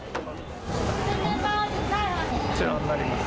こちらになります。